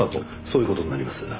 そういう事になります。